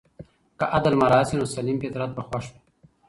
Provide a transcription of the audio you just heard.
که عدل مراعت سي نو سلیم فطرت به خوښ وي.